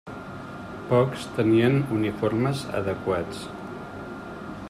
Pocs tenien uniformes adequats.